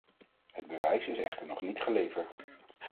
Het bewijs is echter nog niet geleverd.